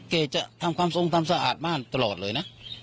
จะทำความทรงทำสะอาดบ้านตลอดเลยนะ